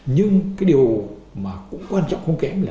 nhưng cái điều mà cũng quan trọng không kém là